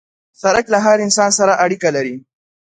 سړک له هر انسان سره اړیکه لري.